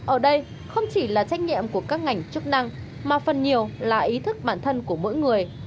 ở đây không chỉ là trách nhiệm của các ngành chức năng mà phần nhiều là ý thức bản thân của mỗi người